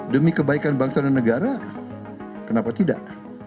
demi kebaikan bangsa dan negara kenapa tidak